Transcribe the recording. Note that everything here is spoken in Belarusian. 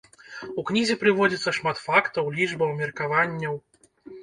У кнізе прыводзіцца шмат фактаў, лічбаў, меркаванняў.